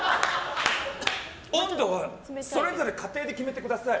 温度はそれぞれ家庭で決めてください。